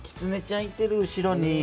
いてる後ろに。